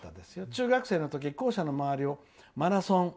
「中学生のとき校舎の周りをマラソン。